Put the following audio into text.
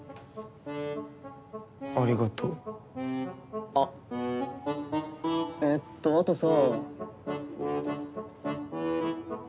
ありがとう。あっえっとあとさ。